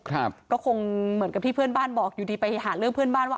ครับก็คงเหมือนกับที่เพื่อนบ้านบอกอยู่ดีไปหาเรื่องเพื่อนบ้านว่า